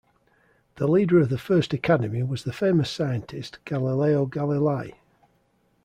The leader of the first academy was the famous scientist Galileo Galilei.